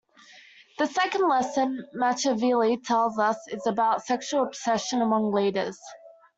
The second lesson Machiavelli tells us is about sexual obsession, among leaders.